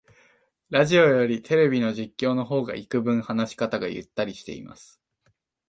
ラジオよりテレビの実況の方がいくぶん話し方がゆったりしてます